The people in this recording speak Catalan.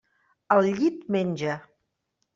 El llit menja.